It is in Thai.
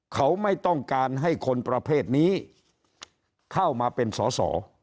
เขาไม่ต้องการให้คนประเภทนี้เข้ามาเป็นสอสอ